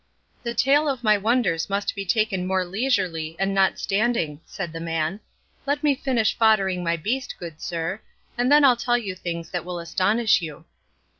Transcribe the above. "The tale of my wonders must be taken more leisurely and not standing," said the man; "let me finish foddering my beast, good sir; and then I'll tell you things that will astonish you."